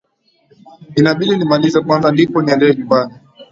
Inabidi nimalize kwanza ndipo niende nyumbani.